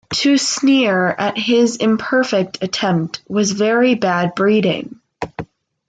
To sneer at his imperfect attempt was very bad breeding.